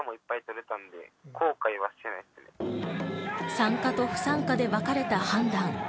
参加と不参加で分かれた判断。